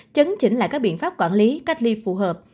chấn chỉnh lại các biện pháp quản lý cách ly phù hợp